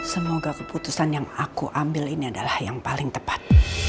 semoga keputusan yang aku ambil ini adalah yang paling tepat